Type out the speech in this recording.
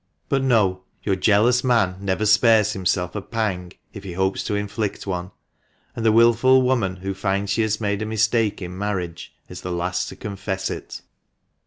But, no ; your jealous man never spares himself a pang if he hopes to inflict one ; and the wilful woman who finds she has made a mistake in marriage is the last to confess it.